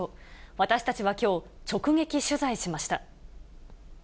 私たちはきょう、直撃取材しました。